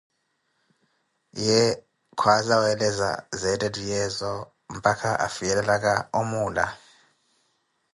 Ye kwaaza weeleza zeettehyeezo mpakha afiyelelaka omuula